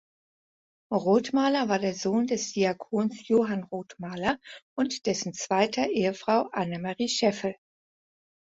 Rothmaler war der Sohn des Diakons Johann Rothmaler und dessen zweiter Ehefrau Annemarie Scheffel.